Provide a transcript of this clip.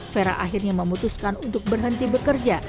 vera akhirnya memutuskan untuk berhenti bekerja